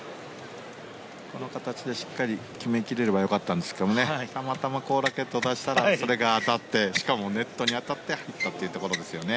この形でしっかり決め切れればよかったんですがたまたまラケットを出したらそれが当たってしかもネットに当たって入ったというところですね。